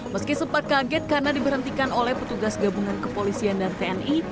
meski sempat kaget karena diberhentikan oleh petugas gabungan kepolisian dan tni